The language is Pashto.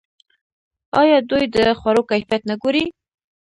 آیا دوی د خوړو کیفیت نه ګوري؟